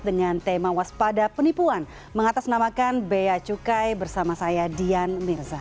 dengan tema waspada penipuan mengatasnamakan bea cukai bersama saya dian mirza